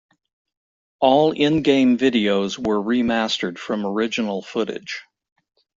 All in-game videos were remastered from original footage.